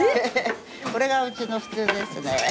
これがうちの普通ですね。